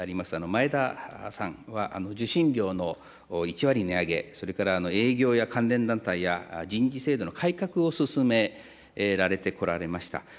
前田さんは、受信料の１割値上げ、それから営業や関連団体や人事制度の改革を進められてこられました。